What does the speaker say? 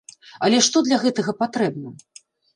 Але што для гэтага патрэбна?